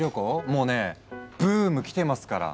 もうねブーム来てますから。